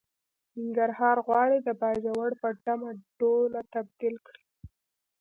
ننګرهار غواړي د باجوړ په ډمه ډوله تبديل کړي.